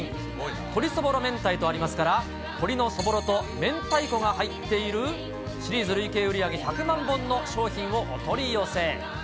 鶏そぼろ明太とありますから、鶏のそぼろと明太子が入っているシリーズ累計売り上げ１００万本の商品をお取り寄せ。